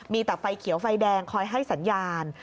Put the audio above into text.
มีแต่ไฟเขียวไฟแดงคอยให้สัญญาณ